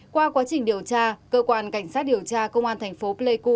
qua quá trình điều tra cơ quan cảnh sát điều tra công an thành phố pleiku